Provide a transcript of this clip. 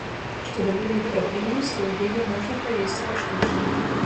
Што да буйных прадпрыемстваў, яе можна правесці паштучна.